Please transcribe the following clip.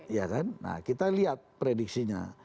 iya kan nah kita lihat prediksinya